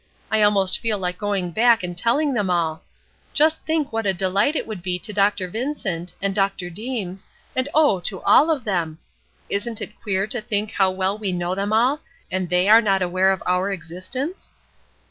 I almost feel like going back and telling them all. Just think what a delight it would be to Dr. Vincent, and Dr. Deems, and, oh, to all of them. Isn't it queer to think how well we know them all, and they are not aware of our existence?"